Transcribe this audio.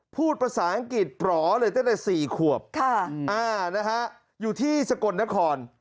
พูดภาษาอังกฤษปลอเลยตั้งแต่๔ขวบอยู่ที่สกลนคร